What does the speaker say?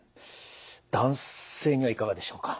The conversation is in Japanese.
男性にはいかがでしょうか？